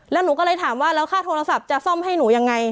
แล้วหนูก็เลยถามว่าแล้วค่าโทรศัพท์จะซ่อมให้หนูยังไง